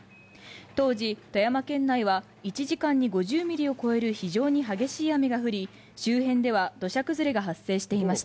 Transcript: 当時、富山県内は１時間に５０ミリを超える非常に激しい雨が降り、周辺では土砂崩れが発生していました。